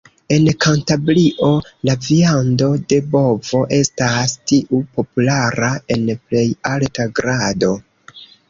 En Kantabrio la viando de bovo estas tiu populara en plej alta grado.